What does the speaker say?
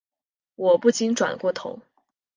我不禁转过头